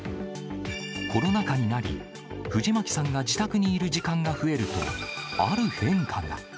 コロナ禍になり、藤巻さんが自宅にいる時間が増えると、ある変化が。